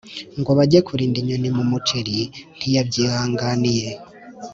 ngo bage kurinda inyoni mu muceri ntiyabyihanganiye.